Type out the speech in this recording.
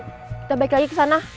kita balik lagi kesana